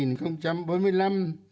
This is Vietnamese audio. đến năm hai nghìn bốn mươi năm